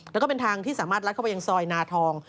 แล้วก็เป็นทางที่สามารถลัดเข้าไปยังซอยนาทอง